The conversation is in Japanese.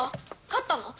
勝ったの？